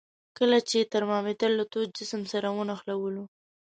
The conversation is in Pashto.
کله چې ترمامتر له تود جسم سره ونښلولو.